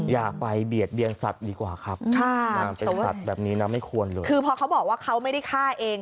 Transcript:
อยากไปเบียดเบียนสัตว์ดีกว่าครับแต่ว่าคือพอเขาบอกว่าเขาไม่ได้ข้าเอง